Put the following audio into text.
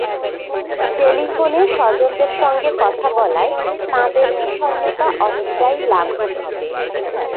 টেলিফোনে স্বজনদের সঙ্গে কথা বলায়, তাঁদের বিষণ্নতা অনেকটাই লাঘব হবে।